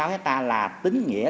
ba mươi sáu hectare là tín nghĩa